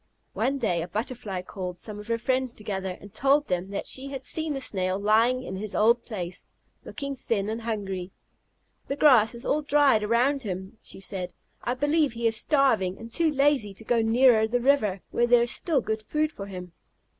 One day, a Butterfly called some of her friends together, and told them that she had seen the Snail lying in his old place, looking thin and hungry. "The grass is all dried around him," she said; "I believe he is starving, and too lazy to go nearer the river, where there is still good food for him."